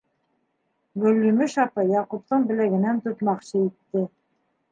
Гөлйемеш апай Яҡуптың беләгенән тотмаҡсы итте.